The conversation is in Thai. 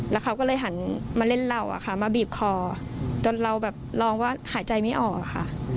แล้วเขาก็เลยหันมาเล่นเราอะค่ะมาบีบคอจนเราแบบลองว่าหายใจไม่ออกค่ะ